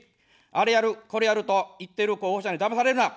あれやる、これやると言ってる候補者にだまされるな。